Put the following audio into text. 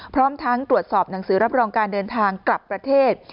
พร้อมทั้งตรวจสอบหนังสือรับรองการเดินทางกลับประเทศ